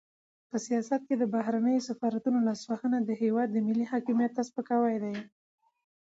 په سیاست کې د بهرنیو سفارتونو لاسوهنه د هېواد ملي حاکمیت ته سپکاوی دی.